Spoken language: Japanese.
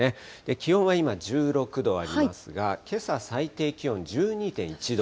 気温は今、１６度ありますが、けさ、最低気温１２．１度。